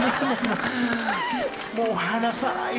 ［もう離さないよ］